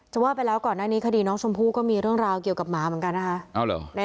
ว่าไปแล้วก่อนหน้านี้คดีน้องชมพู่ก็มีเรื่องราวเกี่ยวกับหมาเหมือนกันนะคะ